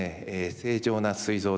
正常なすい臓ですね。